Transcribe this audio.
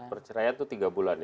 perceraian itu tiga bulan ya